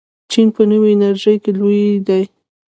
چین په نوې انرژۍ کې لوی دی.